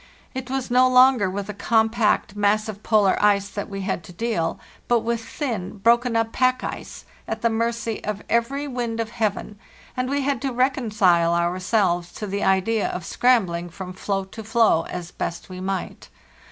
It was no longer with the compact, massive polar ice that we had to deal, but with thin, broken up pack ice, at the mercy of every wind of heaven, and we had to reconcile ourselves to the idea of scrambling from floe to floe as best we might.